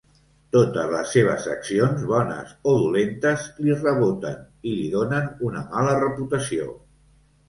Totes les seves accions, bones o dolentes, li reboten i li donen una mala reputació.